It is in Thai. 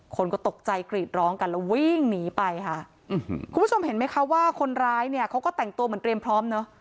คนก็ตกใจกรีดร้องกันแล้ววิ่งหนีไปค่ะคุณผู้ชมเห็นไหมคะว่าคนร้ายเนี่ยเขาก็แต่งตัวเหมือนเตรียมพร้อมเนอะ